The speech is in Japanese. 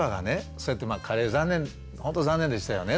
そうやってまあカレー残念ほんと残念でしたよね